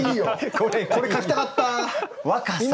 これ書きたかった！